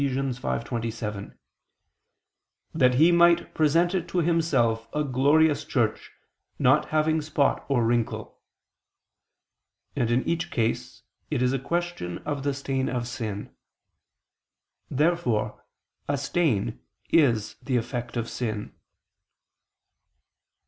5:27): "That He might present it to Himself a glorious church not having spot or wrinkle": and in each case it is question of the stain of sin. Therefore a stain is the effect of sin.